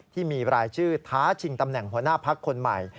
ที่มีรายชื่อท้าชิงตำแหน่งหัวหน้าพักคนใหม่